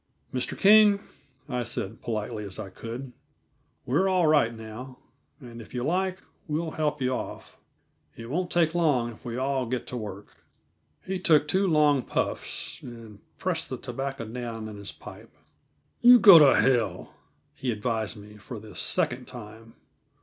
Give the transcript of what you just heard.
"Mr. King," I said politely as I could, "we're all right now, and, if you like, we'll help you off. It won't take long if we all get to work." He took two long puffs, and pressed the tobacco down in his pipe. "You go to hell," he advised me for the second time.